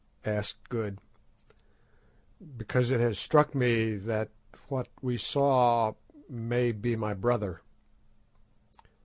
asked Good. "Because it has struck me that—what we saw—may be my brother."